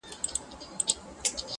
ستا د میني زولنو کي زولانه سوم,